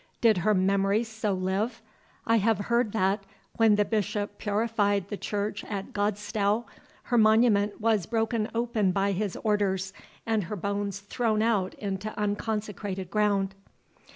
Did her memory so live? I have heard that, when the Bishop purified the church at Godstowe, her monument was broken open by his orders, and her bones thrown out into unconsecrated ground."